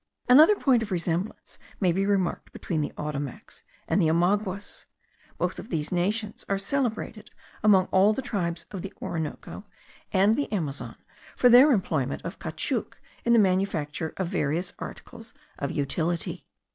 Another point of resemblance may be remarked between the Ottomacs and the Omaguas. Both of these nations are celebrated among all the tribes of the Orinoco and the Amazon for their employment of caoutchouc in the manufacture of various articles of utility.